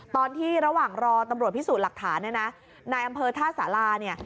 ตอนที่ระหว่างรอตำรวจพิษูททหารหลังนั้นไหนอำเภอท่าเศร้าล่าเนี่ย